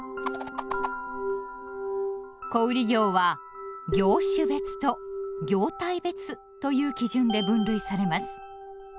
小売業は「業種別」と「業態別」という基準で分類されます。